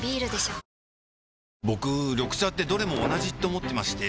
僕緑茶ってどれも同じって思ってまして